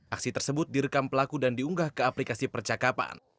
aksi tersebut direkam pelaku dan diunggah ke aplikasi percakapan